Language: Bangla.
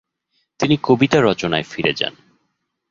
তিনি কবিতা রচনায় ফিরে যান।